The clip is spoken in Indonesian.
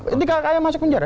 ketika kaya masuk penjara